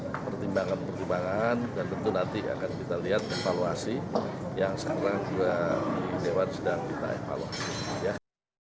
ada pertimbangan pertimbangan dan tentu nanti akan kita lihat evaluasi yang sekarang juga di dewan sedang kita evaluasi